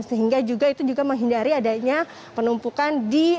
sehingga juga itu juga menghindari adanya penumpukan di